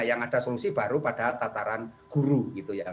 yang ada solusi baru pada tataran guru gitu ya